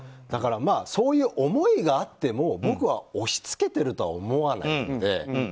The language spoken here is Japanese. だから、そういう思いがあっても僕は押し付けているとは思わない。